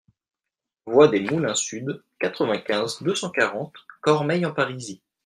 Voie des Moulins Sud, quatre-vingt-quinze, deux cent quarante Cormeilles-en-Parisis